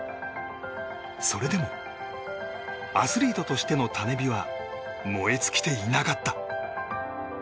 それでも、アスリートとしての種火は燃え尽きていなかった。